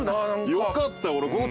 よかったよ俺。